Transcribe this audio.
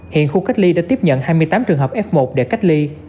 hiện khu cách ly đã tiếp nhận hai mươi tám trường hợp f một để cách ly